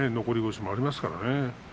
残り腰もありますからね。